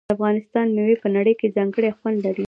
د افغانستان میوې په نړۍ کې ځانګړی خوند لري.